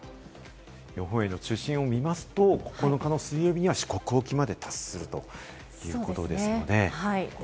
予報円の中心を見ますと、９日水曜日には四国沖まで達するということですので。